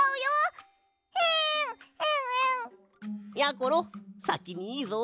ころさきにいいぞ。